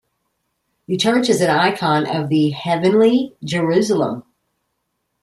The Church is an icon of the heavenly Jerusalem.